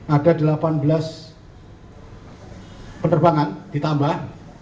ada delapan belas penerbangan ditambah